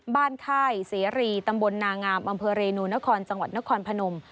ค่ายเสรีตำบลนางามอำเภอเรนูนครจังหวัดนครพนม